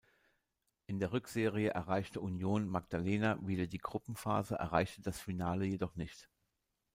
In der Rückserie erreichte Unión Magdalena wieder die Gruppenphase, erreichte das Finale jedoch nicht.